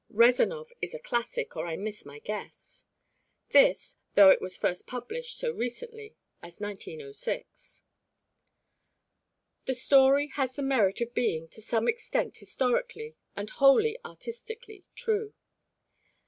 "Rezanov" is a classic, or I miss my guess. This, though it was first published so recently as 1906. The story has the merit of being, to some extent historically, and wholly artistically, true.